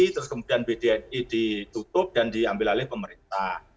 terus kemudian bdni ditutup dan diambil alih pemerintah